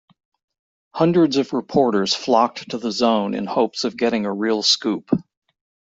Hundreds of reporters flocked to the zone in hopes of getting a real scoop.